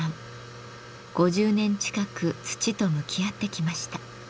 ５０年近く土と向き合ってきました。